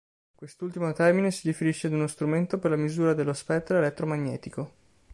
Quest'ultimo termine si riferisce ad uno strumento per la misura dello spettro elettromagnetico.